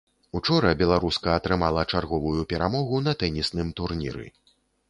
Учора беларуска атрымала чарговую перамогу на тэнісным турніры.